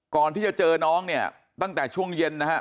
ก่อนที่จะเจอน้องเนี่ยตั้งแต่ช่วงเย็นนะฮะ